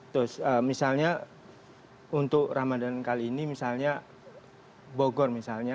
terus misalnya untuk ramadan kali ini misalnya bogor misalnya